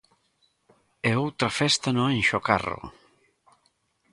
E outra festa no Anxo Carro.